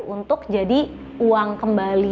untuk menjadi uang kembali